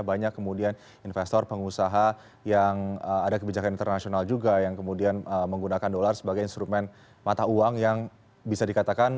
banyak kemudian investor pengusaha yang ada kebijakan internasional juga yang kemudian menggunakan dolar sebagai instrumen mata uang yang bisa dikatakan